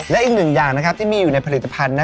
และอีกหนึ่งอย่างที่มีอยู่ในผลิตภัณฑ์